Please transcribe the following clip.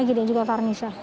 ini juga dari saya